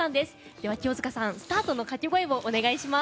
では、清塚さんスタートの掛け声をお願いします。